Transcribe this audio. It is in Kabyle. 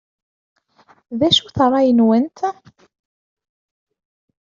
D acu-t ṛṛay-nwent?